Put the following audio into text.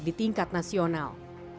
di tingkat nasional